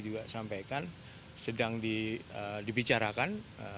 juga sampaikan sedang dibicarakan